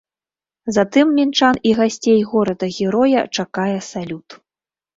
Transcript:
Затым мінчан і гасцей горада-героя чакае салют.